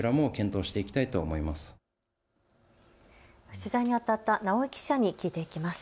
取材にあたった直井記者に聞いていきます。